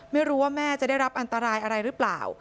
ไม่รู้ว่าแม่จะได้รับอันตรายอะไรหรือเปล่า